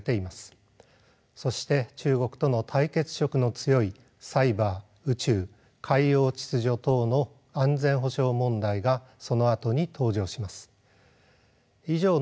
そして中国との対決色の強いサイバー宇宙海洋秩序等の安全保障問題がそのあとに登場します。